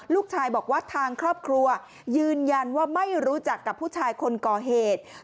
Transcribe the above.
ลูกชายบอกว่าทางครอบครัวยืนยันว่าไม่รู้จักกับผู้ชายคนก่อเหตุ